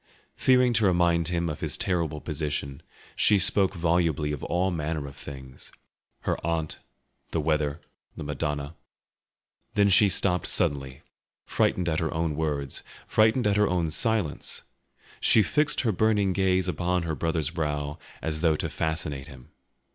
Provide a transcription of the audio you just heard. Fearing to remind him of his terrible position, she spoke volubly of all manner of things—her aunt, the weather, the Madonna. Then she stopped suddenly, frightened at her own words, frightened at her own silence; she fixed her burning gaze upon her brother's brow as though to fascinate him.